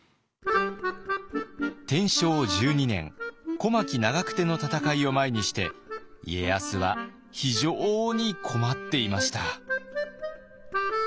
天正１２年小牧・長久手の戦いを前にして家康はひじょうに困っていました。